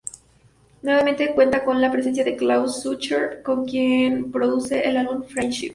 Nuevamente cuenta con la presencia de Klaus Schulze con quien producen el álbum "Friendship".